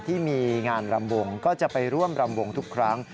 ที่มีงานรำวงก็จะไปร่วมรำวงทุกครั้ง